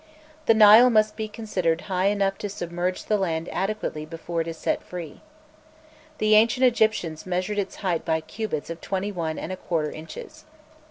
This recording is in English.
The Nile must be considered high enough to submerge the land adequately before it is set free. The ancient Egyptians measured its height by cubits of twenty one and a quarter inches.